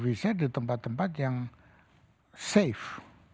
bank indonesia di tempat tempat yang safe